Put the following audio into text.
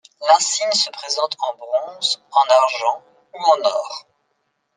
L'insigne se présente en bronze, en argent ou en or.